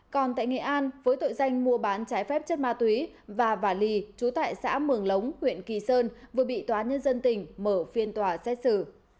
còn tại nghệ an với tội danh mua bán trái phép chất ma túy và vả lì trú tại xã mường lống huyện kỳ sơn vừa bị tòa nhân dân tỉnh mở phiên tòa xét xử